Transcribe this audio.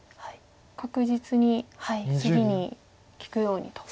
確実に次に利くようにと。